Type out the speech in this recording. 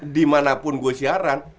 dimanapun gue siaran